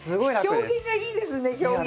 表現がいいですね表現。